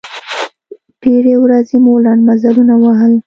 ډېرې ورځې مو لنډ مزلونه ووهل.